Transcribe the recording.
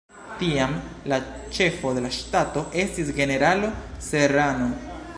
Tiam, la ĉefo de la ŝtato estis generalo Serrano.